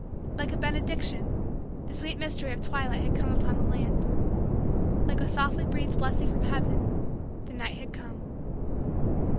Like a benediction, the sweet mystery of twilight had come upon the land. Like a softly breathed blessing from heaven, the night had come.